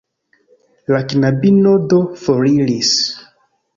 La knabino do foriris.